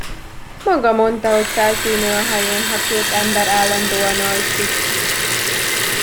Maga mondta, hogy feltűnő a hajón, ha két ember állandóan alszik.